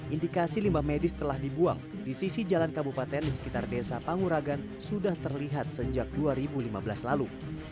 indikasi limbah medis telah dibuang di sisi jalan kabupaten di sekitar desa panguragan sudah terlihat sejak dua ribu lima belas lalu